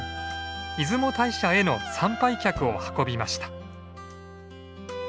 出雲大社への参拝客を運びました。